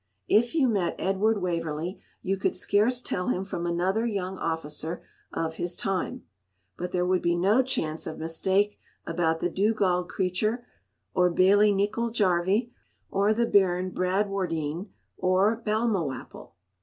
If you met Edward Waverley you could scarce tell him from another young officer of his time; but there would be no chance of mistake about the Dugald creature, or Bailie Nicol Jarvie, or the Baron Bradwardine, or Balmawhapple.